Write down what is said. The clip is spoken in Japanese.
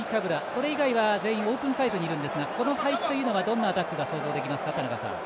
それ以外は全員オープンサイドにいるんですがこの配置はどんなアタックが想像できますか。